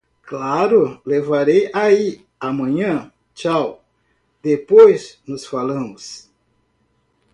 Claro, levarei aí amanhã. Tchau, depois nos falamos.